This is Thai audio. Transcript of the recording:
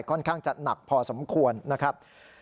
ค่อนข้างจะหนักพอสมควรนะครับ